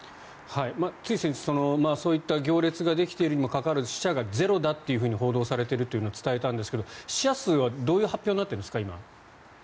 つい先日そういった行列ができているにもかかわらず死者がゼロだと報道されているというのは伝えたんですが死者数はどういう発表になっているんですか？